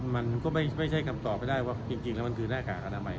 มันไม่ใช่คำตอบได้จริงมันคือหน้ากากโรนมันไหว